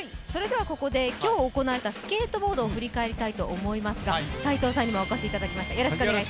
ここで今日行われたスケートボードを振り返りたいと思いますが、斎藤さんにもお越しいただきました。